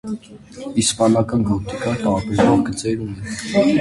Իսպանական գոթիկան տարբերվող գծեր ունի։